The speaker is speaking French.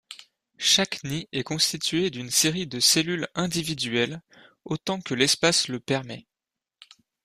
Chaque nid est constitué d'une série de cellules individuelles, autant que l'espace le permet.